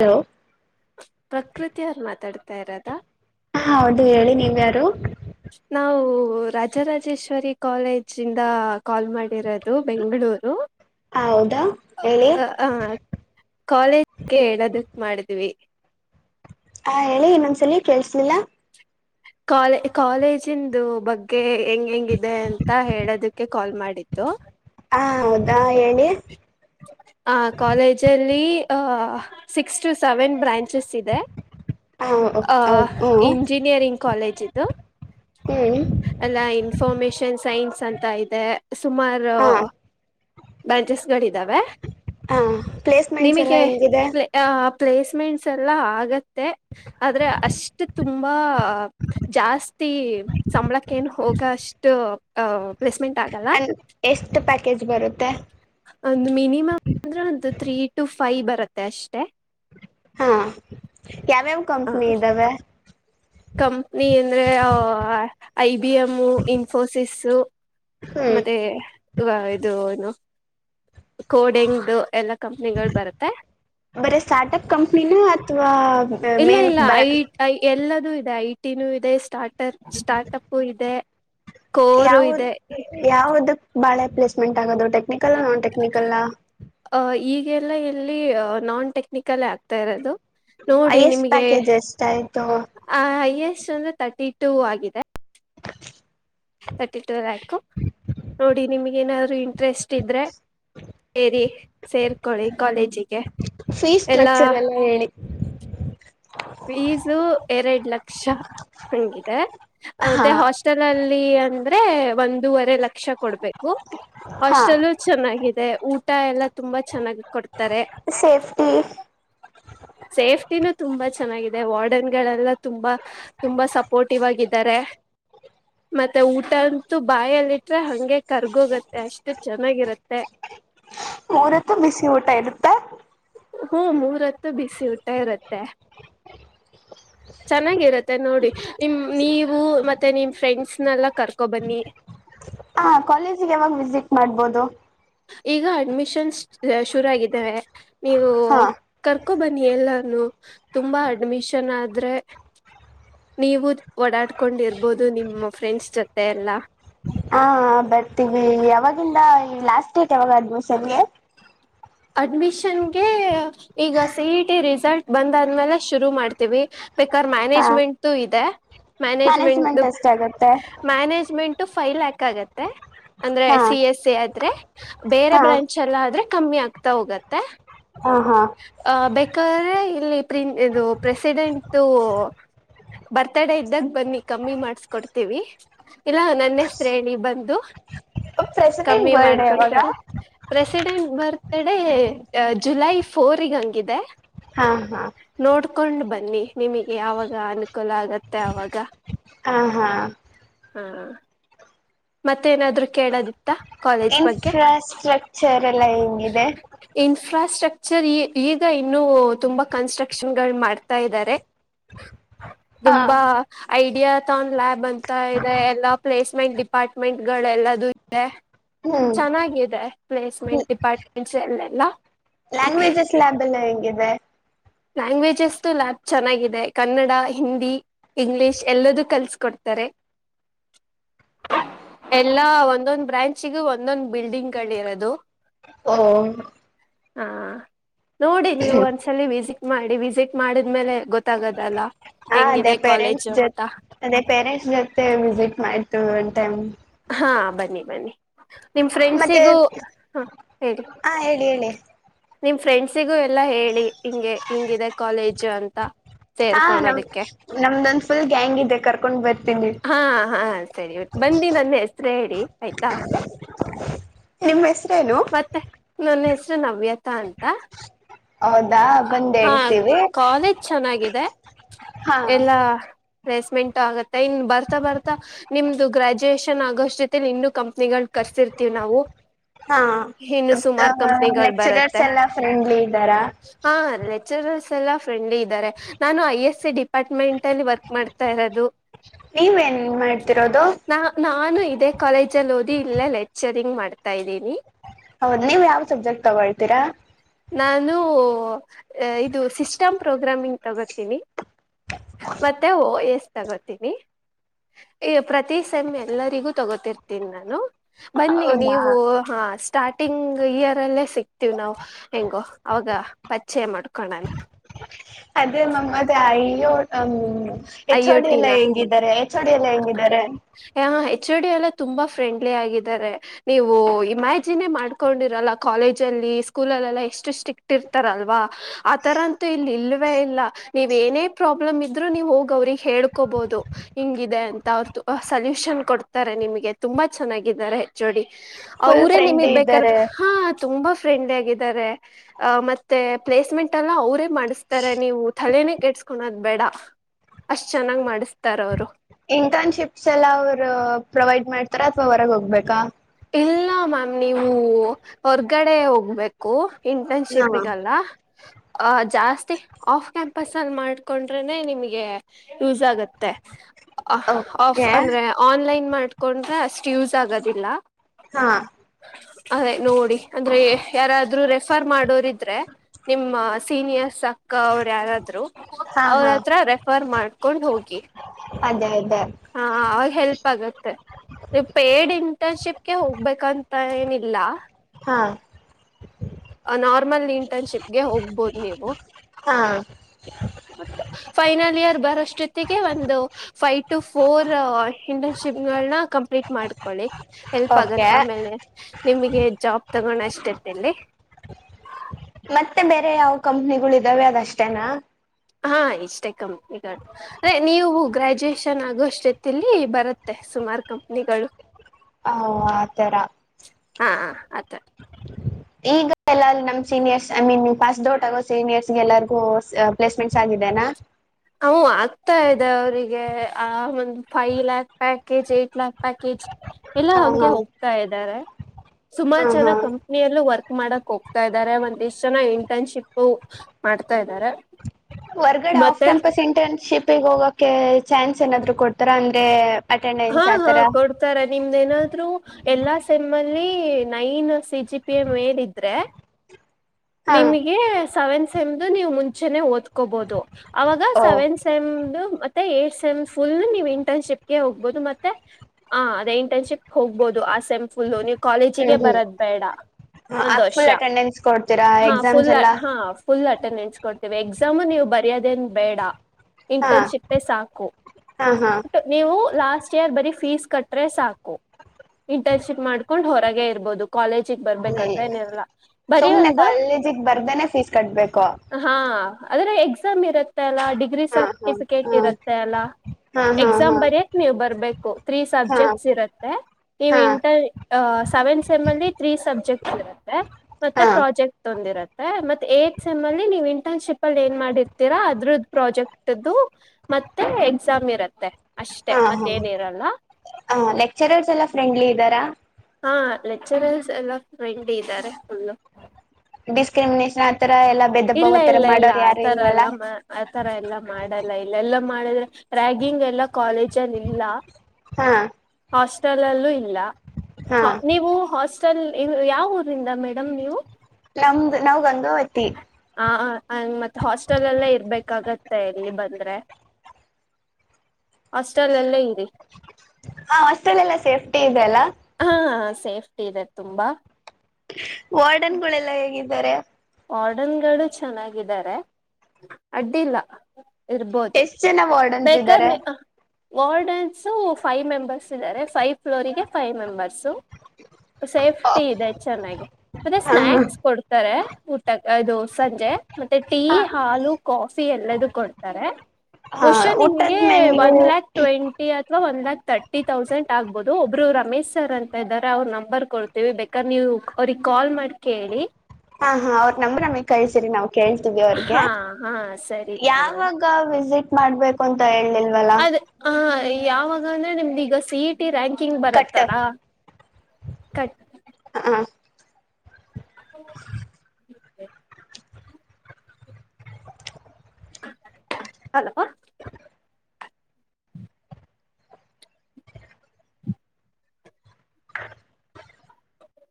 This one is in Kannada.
ಹಲೋ ಪ್ರಕೃತಿಯವ್ರ ಮಾತಾಡ್ತಾ ಇರೋದ ಹೌದು ಹೇಳಿ ನೀವ್ ಯಾರು. ನಾವು ರಾಜರಾಜೇಶ್ವರಿ ಕಾಲೇಜ್ ಇಂದ ಕಾಲ್ ಮಾಡಿರೋ ಬೆಂಗಳೂರು ಹ ಹೌದಾ ಹೇಳಿ ಅ ಹ ಕಾಲೇ ಕೆಳದಕ್ ಮಾಡಿದ್ವಿ ಹ ಹೇಳಿ ಇನ್ನೊಂದ್ಸಲಿ ಕೇಳಸಲಿಲ್ಲ ಕಾಲ ಕಾಲೇಜಂದು ಬಗ್ಗೆ ಹೆಂಗ ಹೆಂಗಿದೆ ಅಂತ ಹೇಳೋದಕ್ಕೆ ಕಾಲ್ ಮಾಡಿದ್ದು ಹ ಹೌದಾ ಹೇಳಿ ಆ ಕಾಲೇಜ್ ಅಲ್ಲಿ ಅ ಸಿಕ್ಸ್ ಟು ಸೆವೆನ್ ಬ್ರಾಂಚಸ್ ಇದೆ. ಹ ಆ ಹೌದು ಇಂಜಿನಿಯರಿಂಗ್ ಕಾಲೇಜ್ ಇದು. ಹ್ಮ. ಎಲ್ಲ ಇನ್ಫಾರ್ಮೇಶನ್ ಸೈನ್ಸ್ ಅಂತ ಇದೆ ಸುಮಾರು ಹ ಬ್ಯಾಂಜಸ್ಗಳು ಇದಾವೆ ಹ ಪ್ಲೇಸ್ಮೆಂಟ್ಸ್ ಎಲ್ಲ ನಿಮಗೆ ಹೆಂಗಿದೆ ಪೇ ಆ ಪ್ಲೇಸ್ಮೆಂಟ್ಸ್ ಎಲ್ಲ ಆಗತ್ತೆ ಆದ್ರೆ ಅಷ್ಟ ತುಂಬಾ ಜಾಸ್ತಿ ಸಂಬಳಕ್ಕ ನು ಹೋಗ ಅಷ್ಟು ಅ ಪ್ಲೇಸ್ಮೆಂಟ್ ಆಗಲ್ಲ. ಎಷ್ಟ ಪ್ಯಾಕೇಜ್ ಬರತ್ತೆ. ಒಂದ ಮಿನಿಮಮ್ ಅಂದ ಒಂದು ತ್ರೀ ಟು ಫೈ ಬರತ್ತೆ ಅಷ್ಟೇ. ಹಾ ಯಾವ್ಯಾವ ಅ ಕಂಪ್ನಿ ಇದ್ದಾವೆ ಕಂಪ್ನಿ ಅಂದ್ರ ಆ ಐ ಬಿ ಎಂ ಇನ್ಫೋಸಿಸ್ ಹ್ಮ್ ಮತ್ತೆ ವ ಇದು ಏನು ಕೋಡಿಂಗ್ ದು ಎಲ್ಲ ಬರ ಸ್ಟಾರ್ಟಪ್ ಕಂಪನಿನ ಅಥವಾ ಇಲ್ಲ ಮೇನ್ ಇಲ್ಲ ಬ ಐ ಎಲ್ಲದೂ ಇದೆ ಐಟಿನೂ ಇದೆ ಸ್ಟಾರ್ಟ್ ಟರ್ ಸ್ಟಾರ್ಟ್ ಅಪ್ ಇದೆ. ಕೋರು ಯಾವ ಇದೆ ಯಾವದಕ್ ಬಾಳೆ ಪ್ಲೇಸ್ಮೆಂಟ್ ಆಗದು ಟೆಕ್ನಿಕಲ್ ನಾನ್ ಟೆಕ್ನಿಕಲ್. ಅ ಈಗೆಲ್ಲ ಎಲ್ಲಿ ಅ ನಾನ್ ಟೆಕ್ನಿಕಲ್ ಆಗ್ತಾ ಇರೋದು. ಐಸ್ಟ್ ಪ್ಯಾಕೇಜ್ ಎಷ್ಟ ಆಯ್ತು. ಅ ಐಸ್ಟ್ ಅಂದ್ರೆ ತರ್ಟಿ ಟೂ ಆಗಿದೆ. [inaudible] ತರ್ಟಿ ಟೂ ಲಾಕ್ ನೋಡಿ ನಿಮ್ಗೆ ಏನಾದ್ರು ಇಂಟ್ರೆಸ್ಟ್ ಇದ್ರೆ ಸೇರಿ ಸೇರ್ಕೊಳ್ಳಿ ಕಾಲೇಜಿಗೆ ಫೀಸ್ ಎಲ್ಲಾ ಸ್ಟ್ರಕ್ಚರ್ [inaudible] ಫೀಸು ಎರಡ್ ಲಕ್ಷ ಹಂಗಿದೆ ಹಾ ಮತ್ತೆ ಹಸ್ ಹಾಸ್ಟೆಲ್ ಅಲ್ಲಿ ಅಂದ್ರೆ ಒಂದೂವರೆ ಲಕ್ಷ ಕೊಡಬೇಕು ಹಾ ಹಸ್ಟೆಲ ಚೆನ್ನಾಗಿದೆ ಊಟ ಎಲ್ಲ ತುಂಬಾ ಚೆನ್ನಾಗ ಕೊಡ್ತಾರೆ. ಸೇಫ್ಟಿ ಸೇಫ್ಟಿನು ತುಂಬಾ ಚ ಚೆನ್ನಾಗಿದೆ ವಾರ್ಡನ್ ಗಳೆಲ್ಲ ತುಂಬಾ ತುಂಬಾ ಸಪೋರ್ಟಿವ್ ಆಗಿದ್ದಾರೆ. ಮತ್ತೆ ಊಟ ಅಂತೂ ಬಾಯಲ್ಲಿ ಇಟ್ರೆ ಹಂಗೆ ಕರ್ಗೋಗತ್ತೆ ಅಷ್ಟ ಚೆನ್ನಾಗಿರತ್ತೆ. ಮೂರತ್ತು ಬಿಸಿ ಊಟ ಇರುತ್ತ. ಹ್ಮ ಮೂರ ಹತ್ತು ಬಿಸಿ ಊಟ ಇರತ್ತೆ. ಚೆನ್ನಾಗಿರತ್ತೆ ನೋಡಿ ನಿಮ್ ನೀವು ಮತ್ತೆ ನಿಮ್ ಫ್ರೆಂಡ್ಸ್ನೆಲ್ಲ ಕರ್ಕೊ ಬನ್ನಿ. ಹ ಕಾಲೇಜಿಗೆ ಯಾವಾಗ ವಿಸಿಟ್ ಮಾಡ್ಬೋದು. ಈಗ ಅಡ್ಮಿಷನ್ಸ್ ಶುರು ಆಗಿದೆ ನೀವು ಹಾ ಕರ್ಕೊ ಬನ್ನಿ ಎಲ್ಲಾನು ತುಂಬಾ ಅಡ್ಮಿಷನ್ ಆದ್ರೆ. [inaudible] ನೀವು ಓಡಾಡ್ಕೊಂಡಿರ್ಬೋದು ನಿಮ್ಮ ಫ್ರೆಂಡ್ಸ್ ಜೊತೆ ಎಲ್ಲಾ [inaudible] ಹಾ ಬರ್ತೀವಿ ಯಾವಾಗಿಂದ ಈ ಲಾಸ್ಟ್ ಡೇಟ್ ಯಾವಾಗ ಅಡ್ಮಿಷನಗೆ? [inaudible] ಅಡ್ಮಿಷನಗೆ? [inaudible] ಈಗ ಸಿ ಇ ಟಿ ರಿಸಲ್ಟ್ ಬಂದಾದ್ಮೇಲೆ ಶುರು ಮಾಡ್ತೀವಿ. [inaudible] ಬೇಕಾರ ಹಾ ಮ್ಯಾನೇಜ್ಮೆಂಟದು ಇದೆ ಮ್ಯಾನೇಜ್ಮೆಂಟ್ ಮ್ಯಾನೇಜ್ಮೆಂಟದ ಎಷ್ಟ ಆಗತ್ತೆ [inaudible] ಮ್ಯಾನೇಜ್ಮೆಂಟ್ ಫೈ ಲ್ಯಾಕ್ ಆಗುತ್ತೆ ಅಂದರೆ ಹಾ ಸಿ ಎಸ್ ಸಿ ಆದರೆ ಬೇರೆ ಹಾ ಬ್ರಾಂಚ್ [inaudible] ಚೆಲ ಆದರೆ ಕಮ್ಮಿ ಆಗ್ತಾ ಹೋಗುತ್ತೆ. [inaudible] ಹಾ ಹಾ [inaudible] ಅ ಬೇಕಾದ್ರೆ ಇಲ್ಲಿ ಪ್ರಿನ್ ಇದು ಪ್ರೆಸಿಡೆಂಟದು [inaudible] ಬರ್ತಡೆ ಇದ್ದಾಗ ಬನ್ನಿ ಕಮ್ಮಿ ಮಾಡ್ಸ್ಕೊಡ್ತೇವಿ. [inaudible] ಇಲ್ಲ ನನ್ನ ಹೆಸರ ಹೇಳಿ ಬಂದು ಪ್ರೆಸಿಡೆಂಟ್ ಕಮ್ಮಿ ಬರ್ಡೇ ಯಾವಾಗ ಮಾಡ್ಕೊಡ್ತಾರೆ. [inaudible] ಪ್ರೆಸಿಡೆಂಟ್ ಬರ್ತ್ಡೇ ಜುಲೈ ಫೋರಿಗೆ ಹಂಗಿದೆ. [inaudible] ಹಾ ಹಾ [inaudible] ನೋಡ್ಕೊಂಡ್ ಬನ್ನಿ ನಿಮಗೆ ಯಾವಾಗ ಅನುಕೂಲ ಆಗತ್ತೆ ಅವಾಗ? [inaudible] ಹ ಹಾ [inaudible] ಹ [inaudible] ಮತ್ತೆ ಏನಾದ್ರು ಕೇಳದಿತ್ತ? [inaudible] ಇನ್ಫ್ರಾಸ್ಟ್ರಕ್ಚರ್ ಎಲ್ಲ ಹೆೇಂಗಿದೆ? [inaudible] ಇನ್ಫ್ರಾಸ್ಟ್ರಕ್ಚರ್ ಈ ಈಗ ಇನ್ನು ತುಂಬಾ ಕನ್ಸ್ಟ್ರಕ್ಷನ್ ಗಳ ಮಾಡ್ತಾ ಇದ್ದಾರೆ. [inaudible] ಹಾ ತುಂಬಾ ಐಡಿಯಾ ತನ್ ಲ್ಯಾಬ್ ಅಂತ ಇದೆ ಎಲ್ಲಾ ಪ್ಲೇಸ್ಮೆಂಟ್ [inaudible] ಡಿಪಾರ್ಟ್ಮೆಂಟ್ ಗಳೆಲ್ಲ ಇದೆ ಹ್ಮ್ ಚೆನ್ನಾಗಿದೆ ಪ್ಲೇಸ್ಮೆಂಟ್ ಡಿಪಾರ್ಟ್ಮೆ [inaudible] ಇನ್ ಸೇಲ್ ಎಲ್ಲಾ? [inaudible] ಲ್ಯಾಂಗ್ವೇಜಸ್ ಲ್ಯಾಬ್ ಎಲ್ಲಾ ಹೆಂಗಿದೇ. [inaudible] ಲ್ಯಾಂಗ್ವೇಜಸ್ ತು ಲ್ಯಾಬ್ ಚೆನ್ನಾಗಿದೆ ಕನ್ನಡ ಹಿಂದಿ ಇಂಗ್ಲಿೀಷ್ ಎಲ್ಲದು ಕಲಸ ಕೊಡ್ತಾರೆ. [inaudible] ಎಲ್ಲ ಒಂದೊಂದ್ ಬ್ರಾಂಚಗು ಒಂದೊಂದ ಬಿಲ್ಡಿಂಗ್ ಗಳ ಇರೋದು. [inaudible] ಓ [inaudible] ಹಾ [inaudible] ನೋಡಿ ನೀವು ಒಂದ ಸಲಿ ವಿಸಿಟ್ ಮಾಡಿ ವಿಸಿಟ್ ಮಾಡಿದ್ಮೇಲೆ ಗೊತ್ತಾಗದ ಅಲ್ಲಾ? [inaudible] ಹಾ ಅದೇ ಹೆಂಗಿದೆ ಪೇರೆಂಟ್ಸ್ ಕಾಲೇಜು ಅಂತ? ಜೊತೆ [inaudible] ಅದೇ ಪೇರೆಂಟ್ಸ್ ಜೊತೆ ವಿಸಿಟ್ ಮಾಡ್ತು ಒನ್ ಟೈಮ್ [inaudible] ಹಾ ಬನ್ನಿ ಬನ್ನಿ. [inaudible] ನಿಮ್ ಮತ್ತೆ ಫ್ರೆಂಡ್ಸಿಗೂ ಹ ಹಾ ಹೇಳಿ ಹೇಳಿ. [inaudible] ನಿಮ್ಮ ಫ್ರೆಂಡ್ಸಿಗೂ ಎಲ್ಲಾ ಹೇಳಿ ಹಿಂಗೆ ಹಿಂಗಿದೆ ಕಾಲೇಜು ಅಂತ. [inaudible] ಹಾ ನಮ್ ಸೇರ್ಕೊನೋದಿಕ್ಕೆ ನಮ್ದೊಂದ್ ಫುಲ್ ಗ್ಯಾಂಗ್ ಇದೆ ಕರ್ಕೊಂಡ್ ಬರ್ತೀನಿ ಹಾ ಹಾ ಸರಿ [inaudible] ಬಂದಿ ನನ್ನ ಹೆಸರ ಹೇಳಿ ಆಯ್ತಾ? [inaudible] ನಿಮ್ಮ ಹೆಸರ ಏನು? [inaudible] ಮತ್ತೆ ನನ್ನ ಹೆಸರು ನವ್ಯತಾ ಅಂತ. ಹೌದಾ ಬಂದ್ [inaudible] ಹಾ ಹೇಳ್ತೀವಿ ಕಾಲೇಜ್ ಚೆನ್ನಾಗಿದೆ. ಹಾ [inaudible] ಎಲ್ಲಾ ಪ್ಲೇಸ್ಮೆಂಟ್ ಆಗತ್ತೆ ಇನ್ ಬರ್ತಾ ಬರ್ತಾ [inaudible] ನಿಮ್ದು ಗ್ರಾಜುಯೇಷನ್ ಆಗೋಸ್ ಜೊತೆ ಇನ್ನು ಕಂಪನೀಗಳ ಕರಸಿರ್ತೀವಿ ನಾವು? [inaudible] ಹಾ ಇನ್ನು ಸುಮಾರು ಕಂಪ್ನಿಗಳು ಲೆಕ್ಚರರ್ಸ್ ಬರತ್ತೆ ಎಲ್ಲಾ ಫ್ರೆಂಡ್ ಲೀ ಇದ್ದಾರಾ? [inaudible] ಹಾ ಲೆಕ್ಚರರ್ಸ್ ಎಲ್ಲಾ ಫ್ರೆಂಡ್ ಲೀ ಇದ್ದಾರೆ. [inaudible] ನಾನು ಐ ಎಸ್ ಸಿ ಡಿಪಾರ್ಟ್ಮೆಂಟ್ ಅಲ್ಲಿ ವರ್ಕ್ ಮಾಡ್ತಾ ಇರೋದು. [inaudible] ನೀವೇನ್ ಮಾಡ್ತಿರೋದು. ನಾ ನಾನು ಇದೇ ಕಾಲೇಜಲ್ಲಿ ಓದಿ ಇಲ್ಲೇ ಲೆಕ್ಚರಿಂಗ್ ಮಾಡ್ತಾ ಇದ್ದೀನಿ. ಹೌದು ನೀವು ಯಾವ್ ಸಬ್ಜೆಕ್ಟ್ ತಗೊಳ್ತೀರಾ. ನಾನು ಇದು ಸಿಸ್ಟಮ್ ಪ್ರೋಗ್ರಾಮಿಂಗ್ ತಗೋತೀನಿ‌. ಮತ್ತೆ ಓ ಎಸ್ ತಗೋತೀನಿ. ಈ ಪ್ರತಿ ಸೇಮ್ ಎಲ್ಲರಿಗೂ ತೊಗೋರ್ತೀನಿ ನಾನು. ಬನ್ನಿ ಹೌದಾ ನೀವು ಹಾ ಸ್ಟಾರ್ಟಿಂಗ್ ಇಯರ್ ಅಲ್ಲೇ ಸಿಕ್ ತೀವ್ ನಾವು ಹೆಂಗೋ ಅವಾಗ ಪಚ್ಚಯ ಮಾಡ್ಕೋಣ. ಅದೇ ನಮ್ಮದ ಆಯ್ಯೋ [unintelligible] ಐ ಹೆಚ್ ಓ ಡಿ ಟಿನ ಎಲ್ಲಾ ಹೆಂಗಿದ್ದಾರೆ ಹೆಚ್ ಓ ಡಿ ಎಲ್ಲಾ ಹೆಂಗಿದ್ದಾರೆ. ಹ ಹೆಚ್ ಓಂ ಡಿ ಎಲ್ಲಾ ತುಂಬಾ ಫ್ರೆಂಡ್ಲಿ ಆಗಿದ್ದಾರೆ. ನೀವು ಇಮ್ಯಾಜನೇ ಮಾಡ್ಕೊಂಡಿರಲ್ಲ ಕಾಲೇಜ್ ಅಲ್ಲಿ ಸ್ಕೂಲ್ಲೆಲ್ಲಾ ಎಷ್ಟು ಸ್ಟ್ರಿಕ್ಟ್ ಇರ್ತಾರಲ್ವಾ. ಆತರಂತೂ ಇಲ್ಲಿ ಇಲ್ವೇ ಇಲ್ಲ ನೀವ್ ಏನೇ ಪ್ರಾಬ್ಲಮ್ ಇದ್ರು ನೀವ್ ಹೋಗ್ ಗೆ ಅವ್ರಿಗೆ ಹೇಳ್ಕೊಬಹುದು. ಹಿಂಗಿದೆ ಅಂತ ಅವರು ಸಲ್ಯೂಷನ್ ಕೊಡ್ತಾರೆ ನಿಮಗೆ ತುಂಬಾ ಚೆನ್ನಾಗಿದ್ದಾರೆ. ಜೋಡಿ ಫುಲ್ ಅವರೇ ಫ್ರೆಂಡ್ಲಿ ನಿಮಗ್ ಬೇಕ್ರ ಇದ್ದಾರೆ ಹ್ ತುಂಬಾ ಫ್ರೆಂಡ್ಲಿ ಆಗಿದ್ದಾರೆ ಮತ್ತೆ ಪ್ಲೇಸ್ಮೆಂಟ್ ಎಲ್ಲಾ ಅವರೇ ಮಾಡಿಸ್ತಾರೆ ನೀವು ತಲೆನೇ ಕೆಟ್ಸ್ಕೊಂಡದ್ ಬೇಡ ಅಷ್ಟ್ ಚೆನ್ನಾಗ್ ಮಾಡಿಸತಾರ್ ಅವರು. ಇಂಟರ್ನ್ಶಿಪ್ಸ್ ಎಲ್ಲಾ ಅವರು ಪ್ರೊವೈಡ್ ಮಾಡ್ತಾರಾ ಅಥವಾ ಹೊರಗೆ ಹೋಗ್ಬೇಕಾ. ಇಲ್ಲ ಮ್ಯಾಮ್ ನೀವು ಹೊರಗಡೆ ಹೋಗ್ಬೇಕ್ ಕು ಹಾ ಇಂಟರ್ನ್ಷಿಪ್ ಗಲ್ಲ ಹ ಜಾಸ್ತಿ ಆಫ್ ಕ್ಯಾಂಪಸ್ ಅಲ್ಲಿ ಮಾಡ್ಕೊಂಡ್ರೆನೆ ನಿಮಗೆ ಯೂಸ್ ಆಗುತ್ತೆ. ಆಫ್ ಓಕೆ ಅಂದ್ರೆ ಆನ್ ಲೈನ್ ಮಾಡ್ಕೊಂಡ್ರೆ ಅಷ್ಟು ಯೂಸ್ ಆಗೋದಿಲ್ಲ. ಹಾ ಅದೇ ನೋಡಿ ಅಂದ್ರೆ ಯಾರಾದ್ರೂ ರೆಫರ್ ಮಾಡೋರಿದ್ರೆ ನಿಮ್ಮ ಸೀನಿಯರ್ಸ್ ಅಕ್ ಕ ಅವರು ಯಾರಾದ್ರು ಹಾ ಅವರು ಹಾ ಹತ್ತಿರ ರೆಫರ್ ಮಾಡ್ಕೊಂಡ್ ಹೋಗಿ. ಅದೇ ಅದೇ ಹಾ ಅವಾಗ ಹೆಲ್ಪ್ ಆಗುತ್ತೆ ಪೇಡ್ ಇಂಟರ್ನ್ಶಿಪ್ ಕೆ ಹೋಗ್ಬೇಕಂತ ಏನಿಲ್ಲ. ಹಾ ನಾರ್ಮಲ್ ಇಂಟರ್ನ್ಶಿಪ್ಗೆ ಹೋಗ್ಬೋದು ನೀವು. ಹಾ ಟ್ಟ್ ಫೈನಲ್ ಇಯರ್ ಬರೋಷ್ಟೊತ್ತಗೆ ಒಂದು. ಫೈವ್ ಟು ಪೋರ್ ಇಂಟರ್ನ್ಶಿಪ್ಗಳನ್ನ ಕಂಪ್ಲೀಟ್ ಮಾಡ್ಕೊಳ್ಳಿ. ಹೆಲ್ಪ್ ಓಕೆ ಆಗುತ್ತೆ ಆಮೇಲೆ ನಿಮಗೆ ಜಾಬ್ ತಗೊಂಡ್ ಅಷ್ಟೇತ್ತೆಲ್ಲಿ. ಮತ್ತೆ ಬೇರೆ ಯಾವ ಕಂಪನಿಗಳು ಇದಾವೆ ಅದಾಷ್ಟೇನಾ. ಹಾ ಇಷ್ಟೇ ಕಂಪನಿಗಳು ಅದೇ ನೀವು ಗ್ರಾಜುಯೇಷನ್ ಆಗೋಷ್ಟ್ ಜೊತಲಿ ಬರುತ್ತೆ ಸುಮಾರು ಕಂಪನಿಗಳು. ಹ ಆತರ ಹಾ ಆತರ ಈಗ ಎಲ್ಲಾ ನಮ್ seniors I mean pass out ಆಗೋ ಸೀನಿಯರ್ಸ್ಗೆ ಎಲ್ಲಾರಿಗೂ ಸಮ್ ಪ್ಲೇಸ್ಮೆಂಟ್ಸ್ ಆಗಿದೆನಾ. ಹ ಆಗ್ತಾ ಇದೆ ಅವರಿಗೆ ಆ ಒಂದು five lakh package eight lakh package ಎಲ್ಲಾ ಹ ಹಾ ಹಂಗೆ ಹೋಗ್ತಾ ಇದ್ದಾರೆ ಹಾ ಸುಮಾರು ಜನ ಹಾ ಕಂಪ್ ನ ಎಲ್ಲೂ ವರ್ಕ್ ಮಾಡಕ್ ಹೋಗ್ತಾ ಇದಾರೆ ಒಂದ್ ಇಷ್ಟು ಜನ ಇಂಟರ್ನ್ಶಿಪ್ ಮಾಡ್ತಾ ಇದ್ದಾರೆ ಹೊರ್ಗಡೆ ಆಫ್ ಮತ್ತೆ ಕ್ಯಾಂಪಸ್ ಇಂಟರ್ನ್ಶಿಪ್ಗ್ ಹೋಗಕೆ ಚಾನ್ಸ್ ಏನಾದ್ರು ಕೊಡ್ತಾರ ಅಂದ್ರೆ ಹಾ ಅಟೆಂಡೆನ್ಸ್ ಹಾ ಆತರ ಕೊಡ್ತಾರ ನಿಮ್ದ ಏನಾದ್ರು ಎಲ್ಲಾ ಸೆಮ್ಮ್ ಅಲ್ಲಿ ನೈನ್ ಸಿ ಜಿ ಪಿ ಮೇಲಿದ್ರೆ ಹಾ ನಿಮಗೆ ಸೆವೆನ್ ಸೆಮ್ದ ನೀವು ಮುಂಚೆನೆ ಓದ ಬಹುದು ಅವಾಗ ಓ ಸೆವೆಂತ್ ಸೆಮ್ ಮತ್ತೆ ಏಂಟ ಸೆಮ್ ಫುಲ್ ನೀವು ಇಂಟರ್ನ್ಶಿಪ್ಗೆೋಗ ಹೋಗಬಹದು ಮತ್ತೆ ಹ ಅದೇ ಇಂಟೆನ್ಶಿಪ್ ಹೋಗ್ಬಹುದು ಆ ಸೆಮ್ ಫುಲ್ ನೀವು ಹ್ಮ್ ಕಾಲೇಜಿಗೆ ಹ್ಮ್ ಬರೋದ ಬೇಡ ಒಂದು ವರ್ಷ ಫುಲ್ ಅಟೆಂಡೆನ್ಸ್ ಕೊಡ್ತೀರಾ ಹಾ ಎಕ್ಸಾಮ್ಸ್ ಫುಲ್ ಎಲ್ಲ ಹಾ ಫುಲ್ ಅಟೆಂಡೆನ್ಸ್ ಕೊಡ್ತೀವಿ ಎಕ್ಸಾಮು ನೀವು ಬರಿಯೋದೇನ್ ಬೇಡಾ ಹಾ ಇಂಟರ್ನ್ಶಿಪ್ ಸಾಕು ಹಾ ಹಾ ನೀವು ಲಾಸ್ಟ್ ಇಯರ್ ಬರೀ ಫೀಸ್ ಕಟ್ಟ್ರೆ ಸಾಕು ಇಂಟರ್ನ್ಶಿಪ್ ಮಾಡ್ಕೊಂಡು ಹೊರಗೆ ಇರ್ಬೋದು ಕಾಲೇಜಿಗೆ ಬರ್ಬೇಕಂತ ಹ್ಮ್ ಏನಿಲ್ಲಾ ಬರಿ ಸುಮ್ನೆ ಒಂದು ಕಾಲೇಜಿಗೆ ಬರ್ದೇನೆ ಫೀಸ್ ಕಟ್ಬೇಕು ಹಾ ಆದದ್ರೆ ಎಕ್ಸಾಮ್ ಇರತ್ತೆ ಅಲ್ಲ ಡಿಗ್ರಿ ಡಿಗ್ರಿ ಹಾ ಹಾ ಸರ್ಟಿಫಿಕೇಟ್ ಇರುತ್ತೆ ಅಲ್ಲ ಹಾ ಹಾ ಎಕ್ಸಾಮ್ ಬರಿ ನೀವು ಬರ್ಬೇಕು ತ್ರೀ ಹಾ ಹಾ ಸಬ್ಜೆಕ್ಟ್ಸ್ ಇರತ್ತೆ ನೀವು ಹಾ ಹಾ ಇಂಟರ್ ಸೆವೆನ್ತ್ ಸೇಮ್ ಅಲ್ಲಿ ತ್ರೀ ಸಬ್ಜೆಕ್ಟ್ ಇರುತ್ತೆ ಮತ್ತೆ ಹಾ ಪ್ರಾಜೆಕ್ಟ್ ತೊಂದಿರತ್ತೆ ಮತ್ತ ಏ ಸಮ್ ಅಲ್ಲಿ ನೀವು ಇಂಟರ್ನ್ಶಿಪ್ ಅಲ್ಲಿ ಏನ್ ಮಾಡಿರ್ತೀರಾ ಅದ್ರದ್ದ ಪ್ರಾಜೆಕ್ಟದು ಮತ್ತೆ ಎಕ್ಸಾಮ್ ಇರತ್ತೆ ಅಷ್ಟೆ ಮತ್ತೇ ಏನಿರಲ್ಲ ಹ ಲೆಕ್ಚರರ್ಸ್ ಎಲ್ಲಾ ಫ್ರೆಂಡ್ಲಿ ಇದ್ದಾರಾ ಹಾ ಲೆಕ್ಚರರ್ಸ್ ಎಲ್ಲಾ ಫ್ರೆಂಡ್ಲಿ ಇದ್ದಾರೆ ಫುಲ್ಲು ಡಿಸ್ಕ್ರಿಮಿನೇಷನ್ ಆತರ ಎಲ್ಲಾ ಬೆದಬಾವ ಆತಾರ ಮಾಡೋ ಯಾರು ಇಲ್ವಲ್ಲ ಆ ತರ ಎಲ್ಲಾ ಮಾಡಲ್ಲ ಇಲ್ಲ ಎಲ್ಲ ಮಾಡಿದ್ರೆ ರ್ಯಾಗಿಂಗ್ ಎಲ್ಲ ಕಾಲೇಜಲ್ಲಿ ಇಲ್ಲಾ ಹಾ ಹಾಸ್ಟೆಲನಲೂ ಇಲ್ಲಾ ಹಾ ನೀವು ಹೌಸ್ ಚಲ್ ಯಾವ ಊರಿಂದ ಮೇಡಮ್ ನೀವು ನಮ್ದ ನಾವ್ ಗಂಗಾವತಿ ಆ ಹಂಗ್ ಮತ್ತ ಹಾಸ್ಟೆಲ್ ಎಲ್ಲೇ ಇರ್ಬೇಕಾಗತ್ತೆ ಇಲ್ಲಿ ಬಂದ್ರೆ ಹಾಸ್ಟೆಲಲ್ಲೆ ಇದೆ ಹಾ ಹಾಸ್ಟೆಲ್ ಎಲ್ಲಾ ಸೇಫ್ಟಿ ಇದೆ ಅಲ್ಲ ಹಾ ಸೇಫ್ಟಿ ಇದೆ ತುಂಬಾ ವಾರ್ಡನ್ ಗಳೆಲ್ಲ ಹೇಗಿದ್ದಾರೆ ವಾರ್ಡನ್ ಗಳು ಚೆನ್ನಾಗಿದ್ದಾರೆ ಅಡ್ಡಿಲ್ಲ ಇರ್ಬೋದು ಎಷ್ಟ್ ಜನ ವಾರ್ಡನ್ಸ್ ಬೇಕಾದ ಇದ್ದಾರೆ ನೀ ವಾರ್ಡಸು ಫೈವ್ ಮೆಂಬರ್ಸ್ ಇದ್ದಾರೆ ಫೈವ್ ಫ್ಲೋರಿಗೆ ಫೈವ್ ಮೆಂಬರ್ಸು ಹಾ ಸೇಫ್ಟಿ ಇದೆ ಚೆನ್ನಾಗಿ ಮತ್ತೆ ಹಾ ಸ್ನಾಯಾಕ್ಸ್ ಕೊಡ್ತಾರೆ ಊಟಕ್ಕೆ ಇದು ಸಂಜೆ ಮತ್ತೆ ಟೀ ಹಾ ಹಾಲು ಕಾಫಿ ಎಲ್ಲದು ಕೊಡ್ತಾರೆ ಹಾ ಬಹುಷಃ ನಿಮ್ಗೆ ಊಟದ್ ಮೆನ್ಯೂ ಒಂದ್ ಲ್ಯಾಕ್ ಟ್ವೆಂಟಿ ಅಥವಾ ಒನ್ ಲಾಕ್ ತರ್ಟಿ ತೌಸೆಂಟ್ ಆಗ್ಬಹುದು ಒಬ್ರು ರಮೇಶ್ ಸರ್ ಅಂತ ಇದ್ದಾರೆ ಅವ್ರ ನಂಬರ್ ಕೊ ನೀವು ಬೇಕಾದ ನೀವು ಅವ್ರಿಗೆ ಕಾಲ್ ಮಾಡಿ ಕೇಳಿ ಹಾ ಹಾ ಅವ್ರ ನಂಬ್ರಮೇ ಕಳ್ಸರಿ ನಾವು ಕೇಳ್ತೀವಿ ಅವ್ರಿಗೆ ಹಾ ಹಾ ಸರಿ ಯಾವಾಗ ತಗೊಳ್ಳಿ ಯಾವಾಗ ವಿಸಿಟ್ ಮಾಡ್ಬೇಕು ಅಂತ ಹೇಳಿಲ್ಲ ಅದ ಹ ಯಾವಾಗ ಅಂದ್ರೆ ನಿಮ್ದ ಈಗ C E T ranking cut ಬರುತ್ತಲ್ಲಾ ಕಟ್ಟ ಹಾ [inaudible] ಹಲೋ [unintelligible]